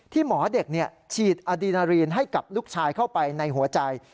หมอเด็กฉีดอดีนารีนให้กับลูกชายเข้าไปในหัวใจ